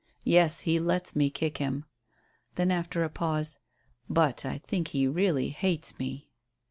Yes, he lets me kick him." Then, after a pause, "But I think he really hates me."